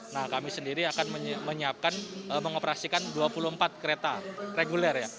nah kami sendiri akan menyiapkan mengoperasikan dua puluh empat kereta reguler ya